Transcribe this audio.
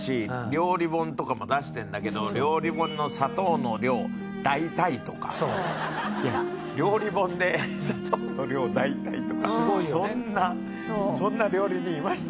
料理本とかも出してるんだけど料理本の「砂糖の量大体」とか。いや料理本で「砂糖の量大体」とかそんなそんな料理人いました？